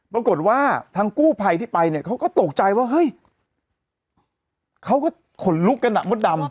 ปรากฏว่าทางกู้ภัยที่ไปเนี่ยเขาก็ตกใจว่าเฮ้ยเขาก็ขนลุกกันอ่ะมดดำ